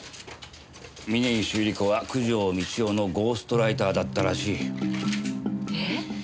峰岸百合子は九条美千代のゴーストライターだったらしい。え？